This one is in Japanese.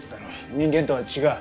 人間とは違う。